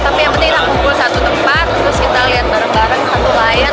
tapi yang penting kita kumpul satu tempat terus kita lihat bareng bareng satu layar